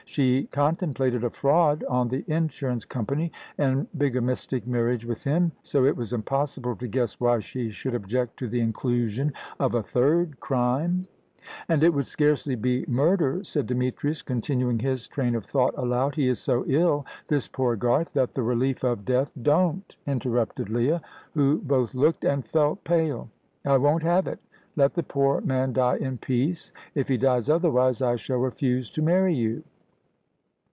She contemplated a fraud on the insurance company, and bigamistic marriage with him, so it was impossible to guess why she should object to the inclusion of a third crime. "And it would scarcely be murder," said Demetrius, continuing his train of thought aloud. "He is so ill, this poor Garth, that the relief of death " "Don't," interrupted Leah, who both looked and felt pale. "I won't have it. Let the poor man die in peace. If he dies otherwise, I shall refuse to marry you."